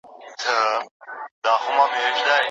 پښتو لیکل او لوستل ډېر خوند کوي.